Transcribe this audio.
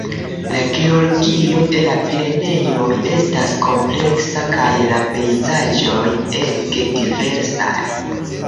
La geologio de la Pireneoj estas kompleksa kaj la pejzaĝoj ege diversaj.